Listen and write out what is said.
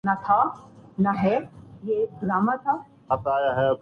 اسی طرح رحمان ملک کی دہشت گردی